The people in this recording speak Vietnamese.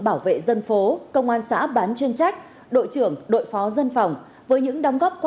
bảo vệ dân phố công an xã bán chuyên trách đội trưởng đội phó dân phòng với những đóng góp